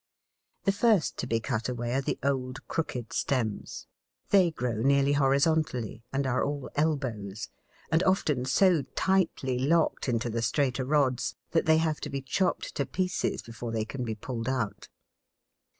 The first to be cut away are the old crooked stems. They grow nearly horizontally and are all elbows, and often so tightly locked into the straighter rods that they have to be chopped to pieces before they can be pulled out.